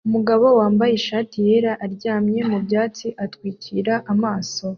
Umugabo wambaye ishati yera aryamye mu byatsi atwikiriye amaso